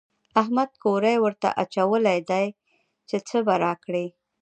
احمد کوری ورته اچولی دی چې څه به راکړي.